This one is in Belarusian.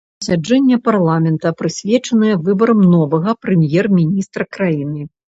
Пасяджэнне парламента прысвечанае выбарам новага прэм'ер-міністра краіны.